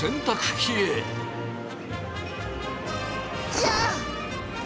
いや！